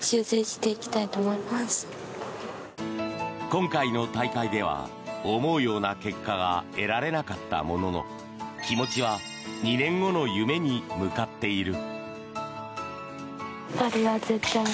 今回の大会では思うような結果が得られなかったものの気持ちは２年後の夢に向かっている。